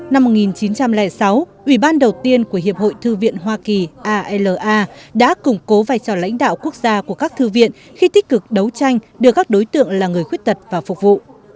năm một nghìn chín trăm linh sáu ủy ban đầu tiên của hiệp hội thư viện hoa kỳ ala đã củng cố vai trò lãnh đạo quốc gia của các thư viện khi tích cực đấu tranh đưa các đối tượng là người khuyết tật vào phục vụ